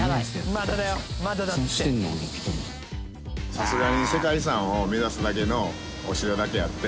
さすがに世界遺産を目指すだけのお城だけあって。